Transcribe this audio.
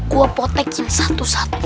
gue potekin satu satu